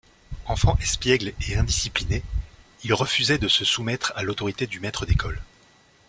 Enfant espiègle et indiscipliné, il refusait de se soumettre à l'autorité du maître d'école.